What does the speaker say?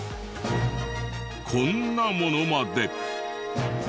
こんなものまで。